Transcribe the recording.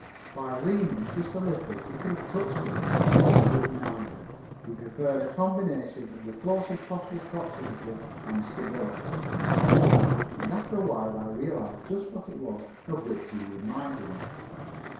By leaning just a little he could have touched it. But he did neither. He preferred a combination of the closest possible proximity and stability. And after a while I realized just what it was of which he reminded me.